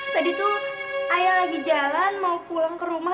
tadi tuh ayah lagi jalan mau pulang ke rumah